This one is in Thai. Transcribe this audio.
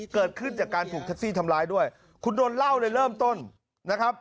เกิดขึ้นจากการถูกแท็กซี่ทำร้ายด้วยคุณโดนเล่าเลยเริ่มต้นนะครับ